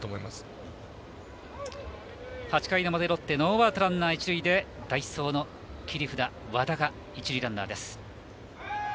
８回の表、ロッテノーアウトランナー、一塁代走の切り札、和田一塁ランナーです。